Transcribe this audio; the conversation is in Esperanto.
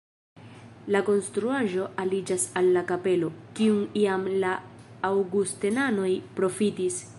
La konstruaĵo aliĝas al la kapelo, kiun jam la aŭgustenanoj profitis.